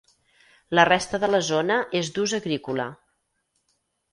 La resta de la zona és d'ús agrícola.